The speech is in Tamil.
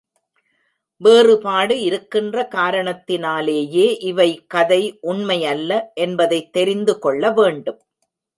வேறுபாடு இருக்கின்ற காரணத்தினாலேயே இவை கதை, உண்மை அல்ல என்பதைத் தெரிந்து கொள்ள வேண்டும்.